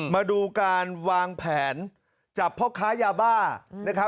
มาดูการวางแผนจับเพาะค้ายาบ้า